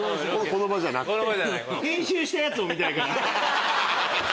この場じゃなくて。